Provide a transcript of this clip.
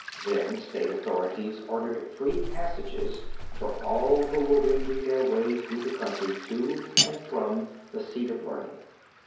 Then, state authorities ordered free passages for all who were wending their way through the country to and from the seat of learning.